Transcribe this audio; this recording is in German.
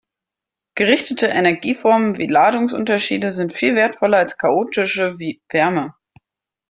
Gerichtete Energieformen wie Ladungsunterschiede sind viel wertvoller als chaotische wie Wärme.